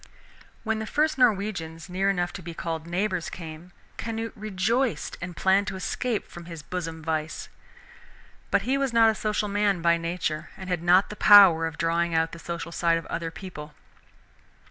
When the first Norwegians near enough to be called neighbors came, Canute rejoiced, and planned to escape from his bosom vice. But he was not a social man by nature and had not the power of drawing out the social side of other people.